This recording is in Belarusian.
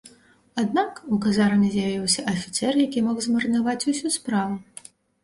Аднак, у казарме з'явіўся афіцэр, які мог змарнаваць усю справу.